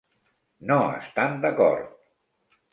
No estan d'acord.